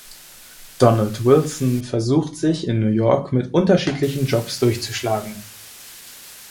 Donald Wilson versucht sich in New York mit unterschiedlichen Jobs durchzuschlagen.